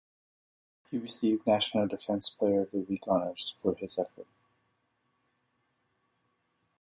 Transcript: He received National Defensive Player of the Week honors for his effort.